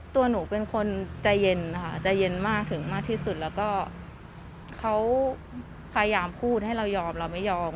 ตัวหนูเป็นคนใจเย็นนะคะใจเย็นมากถึงมากที่สุดแล้วก็เขาพยายามพูดให้เรายอมเราไม่ยอม